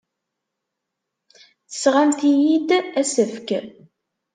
Tesɣamt-iyi-d asefk?!